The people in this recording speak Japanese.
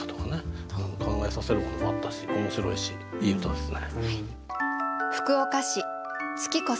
考えさせるものもあったし面白いしいい歌ですね。